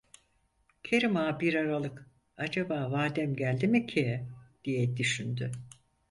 Kerim Ağa, bir aralık: "Acaba vadem geldi mi ki?" diye düşündü.